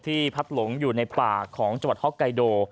พัดหลงอยู่ในป่าของจังหวัดฮอกไกโด